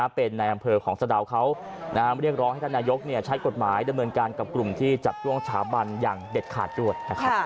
เป็นในอำเภอของสะดาวเขาเรียกร้องให้ท่านนายกใช้กฎหมายดำเนินการกับกลุ่มที่จับจ้วงฉาบันอย่างเด็ดขาดด้วยนะครับ